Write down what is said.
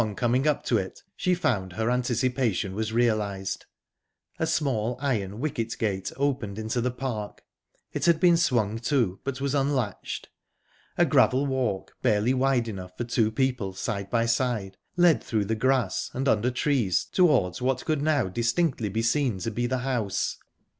Upon coming up to it she found her anticipation was realised. A small iron wicket gate opened into the park. It had been swung to, but was unlatched. A gravel walk, barely wide enough for two people side by side, led through the grass and under trees towards what could now distinctly be seen to be the house.